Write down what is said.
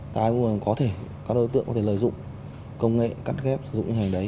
ta cũng có thể các đối tượng có thể lợi dụng công nghệ cắt ghép sử dụng hình ảnh đấy